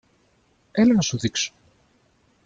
Έλα να σου δείξω.